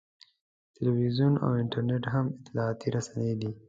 تلویزیون او انټرنېټ مهم اطلاعاتي رسنۍ دي.